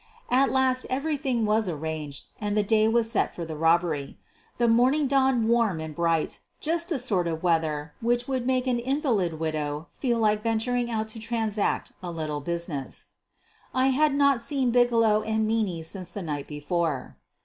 At last everything was arranged and the day was set for the robbery. The morning dawned warm and bright — just the sort of weather which would make an invalid widow feel like venturing out to transact a little business. I had not seen Bigelow and Meaney since the night before.